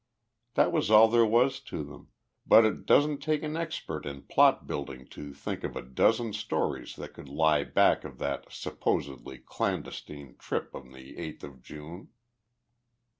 That was all there was to them, but it doesn't take an expert in plot building to think of a dozen stories that could lie back of that supposedly clandestine trip on the eighth of June.